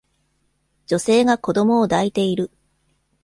女性が子供を抱いている